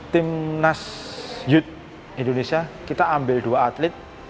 timnas youth indonesia kita ambil dua atlet